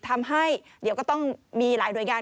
ทำให้เดี๋ยวก็ต้องมีหลายหน่วยงาน